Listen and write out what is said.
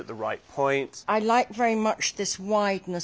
はい。